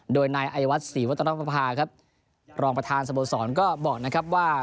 โดยนายอายวัดศรีวัตนภาครับรองประธานสโมสรก็บอกนะครับว่า